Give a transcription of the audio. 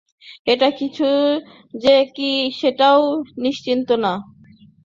এই কিছু যে কি সেটাও নিশ্চিত না।